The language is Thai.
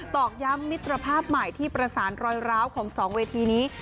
อกย้ำมิตรภาพใหม่ที่ประสานรอยร้าวของ๒เวทีนี้